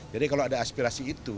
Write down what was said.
jadi kalau ada aspirasi itu